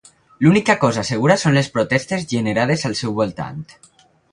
L'única cosa segura són les protestes generades al seu voltant.